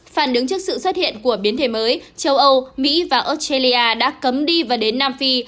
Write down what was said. phản ứng trước sự xuất hiện của biến thể mới châu âu mỹ và australia đã cấm đi và đến nam phi